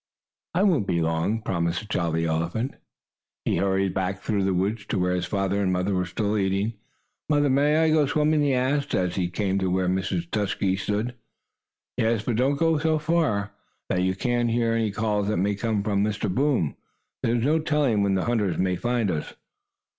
"I won't be long," promised the jolly elephant. He hurried back through the woods to where his father and mother were still eating. "Mother, may I go in swimming?" he asked, as he came to where Mrs. Tusky stood. "Yes, but don't go so far, that you can't hear any calls that may come from Mr. Boom. There's no telling when the hunters may find us."